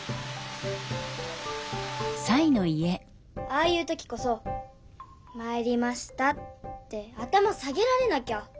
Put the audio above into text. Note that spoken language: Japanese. ああいう時こそ「まいりました」って頭下げられなきゃ。